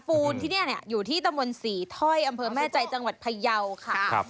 ปูนที่นี่เนี่ยอยู่ที่ตะมนต์ศรีถ้อยอำเภอแม่ใจจังหวัดพยาวค่ะ